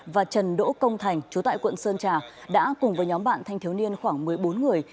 và trần đỗ công thành chú tại quận sơn trà đã cùng với nhóm bạn thanh thiếu niên khoảng một mươi bốn người